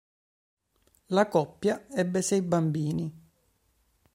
La coppia ebbe sei bambini.